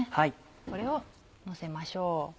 これをのせましょう。